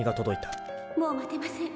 「もう待てません。